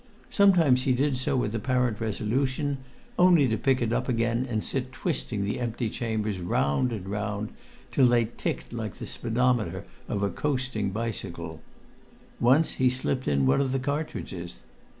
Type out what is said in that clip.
Sometimes he did so with apparent resolution, only to pick it up again and sit twisting the empty chambers round and round, till they ticked like the speedometer of a coasting bicycle. Once he slipped in one of the cartridges.